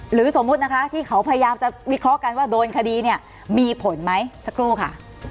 สมมุตินะคะที่เขาพยายามจะวิเคราะห์กันว่าโดนคดีเนี่ยมีผลไหมสักครู่ค่ะ